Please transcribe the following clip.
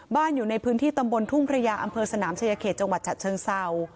อยู่ในพื้นที่ตำบลทุ่งพระยาอำเภอสนามชายเขตจังหวัดฉะเชิงเศร้า